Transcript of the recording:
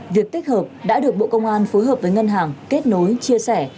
việc tích hợp đã được bộ công an phối hợp với ngân hàng kết nối chia sẻ